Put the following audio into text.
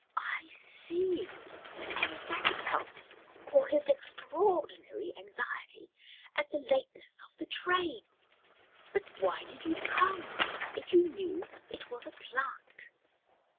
"I see; and that accounts for his extraordinary anxiety at the lateness of the train. But why did you come, if you knew it was a 'plant'?"